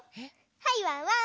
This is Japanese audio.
はいワンワン。